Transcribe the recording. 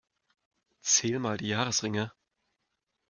Zähl mal die Jahresringe.